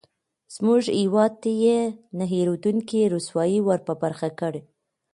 زموږ هېواد ته یې نه هېرېدونکې رسوایي ورپه برخه کړې.